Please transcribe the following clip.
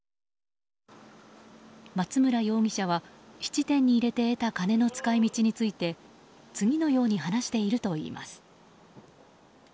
松村容疑者は質店に入れて得た金の使い道について次のように話しているといいます。